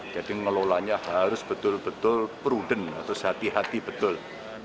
ngelolanya harus betul betul prudent harus hati hati betul